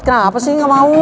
kenapa sih gak mau